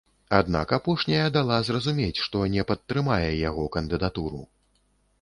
Аднак апошняя дала зразумець, што не падтрымае яго кандыдатуру.